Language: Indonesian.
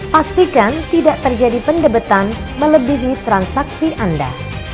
pastikan tidak terjadi pendebetan melebihi transaksi anda